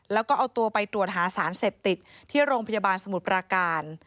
แล้วก็เอาตัวไปตรวจหาสารเสพติดที่โรงพยาบาลสมุทรปราการ